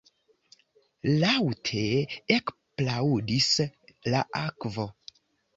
Laŭte ekplaŭdis la akvo.